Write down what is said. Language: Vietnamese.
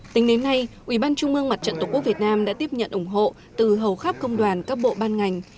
tính đến nay ủy ban trung mương mặt trận tổ quốc việt nam đã tiếp nhận ủng hộ từ hầu khắp công đoàn các bộ ban ngành